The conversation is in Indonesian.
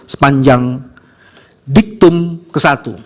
sepanjang diktum ke satu